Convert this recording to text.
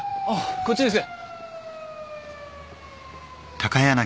こっちです。